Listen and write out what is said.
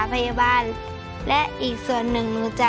ที่บ้านของหนูอยู่